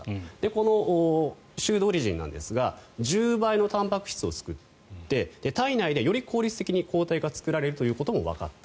このシュードウリジンなんですが１０倍のたんぱく質を作って体内でより効率的に抗体が作られるということもわかった。